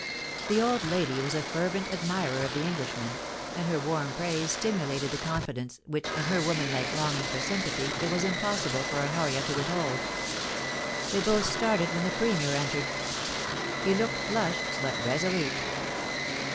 The old lady was a fervent admirer of the Englishman, and her warm praise stimulated the con fidence which in her woman like longing for sympathy it was impossible for Honoria to withhold. They both started when the Premier entered. He looked flushed but resolute.